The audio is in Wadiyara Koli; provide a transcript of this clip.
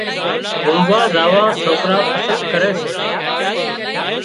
گھمووا زاوون سوڪران پسندي ڪري سي